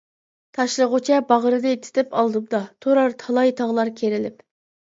تاشلىغۇچە باغرىنى تىتىپ ئالدىمدا، تۇرار تالاي تاغلار كېرىلىپ.